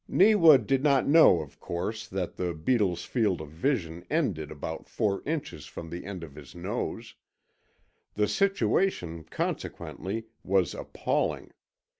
Neewa did not know, of course, that the beetle's field of vision ended about four inches from the end of his nose; the situation, consequently, was appalling.